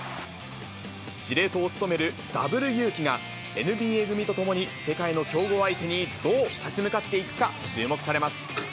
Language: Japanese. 司令塔を務めるＷゆうきがＮＢＡ組と共に、世界の強豪相手にどう立ち向かっていくか、注目されます。